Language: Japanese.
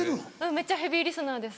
めっちゃヘビーリスナーです。